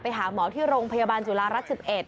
ไปหาหมอที่โรงพยาบาลจุฬารัฐ๑๑